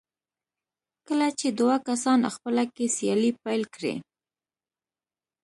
کله چې دوه کسان خپله کې سیالي پيل کړي.